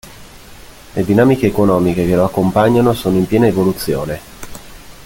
Le dinamiche economiche che lo accompagnano sono in piena evoluzione.